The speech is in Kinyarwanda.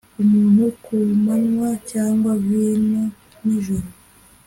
umuntu kumanywa cyangwa vino nijoro